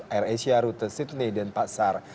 air asia rute sydney dan pasar